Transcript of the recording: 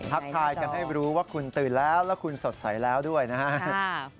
ทักทายกันให้รู้ว่าคุณตื่นแล้วแล้วคุณสดใสแล้วด้วยนะครับ